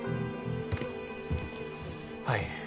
はい。